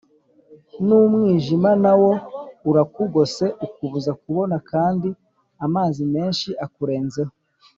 n’umwijima na wo urakugose ukubuza kubona, kandi amazi menshi akurenzeho